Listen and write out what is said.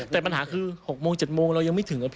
แต่ปัญหาคือ๖โมง๗โมงเรายังไม่ถึง